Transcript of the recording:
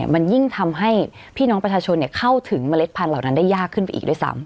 มันยิ่งทำให้พี่น้องประชาชนเข้าถึงเมล็ดพันธุเหล่านั้นได้ยากขึ้นไปอีกด้วยซ้ำ